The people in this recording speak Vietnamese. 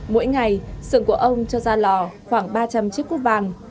mỗi ngày sừng của ông cho ra lò khoảng ba trăm linh chiếc quốc vàng